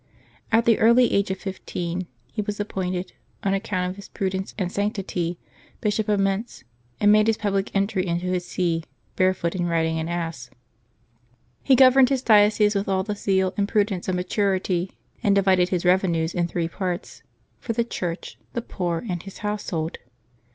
At the early age of fifteen he was appointed, on account of his prudence and sanctity, Bishop of ]\Ietz, and made his public entry into his see barefoot and riding an ass. He governed his diocese with all the zeal and prudence of maturity, and divided his revenues in three parts — for the Church, the poor, and his household.